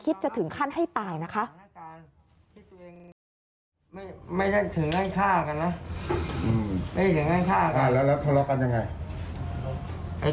เอ่ยตอนที่แทงนะก็คือว่ามันต้องมีการตอบสู้นะพี่